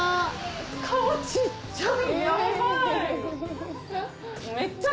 顔小っちゃい！